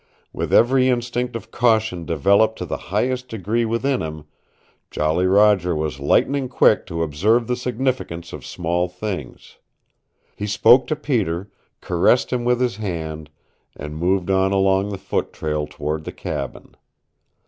With every instinct of caution developed to the highest degree within him, Jolly Roger was lightning quick to observe the significance of small things. He spoke to Peter, caressed him with his hand, and moved on along the foot trail toward the cabin.